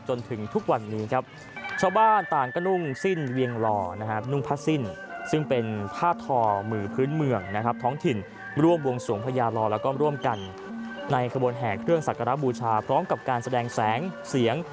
แห่เครื่องศักดาบูชาพร้อมกับการแสดงแสงเสียง